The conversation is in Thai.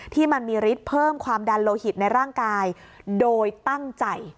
ที่มันมีฤทธิ์เพิ่มความดันโลหิตในร่างกายโดยตั้งใจ